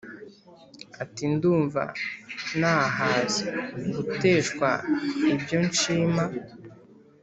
Ati “Ndumva nahazeGuteshwa ibyo nshima